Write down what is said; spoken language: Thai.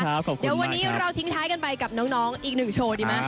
แต่ว่าเราจะทิ้งท้ายกันไปกับน้องอีกหนึ่งโชว์ดีมะ